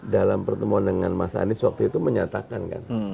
dalam pertemuan dengan mas anies waktu itu menyatakan kan